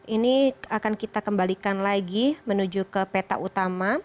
ini akan kita kembalikan lagi menuju ke peta utama